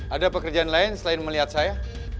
ada pekerjaan lain selain melihat saya